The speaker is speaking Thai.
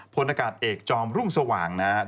พลอากาศเอกจอมรุ่งสว่างนะครับ